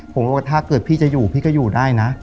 ผมว่าถ้าเกิดพี่จะอยู่พี่ก็อยู่ได้นะ